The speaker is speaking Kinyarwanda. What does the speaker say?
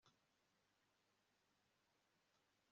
ni cyo cyatumyitangUmwana wayo wikinege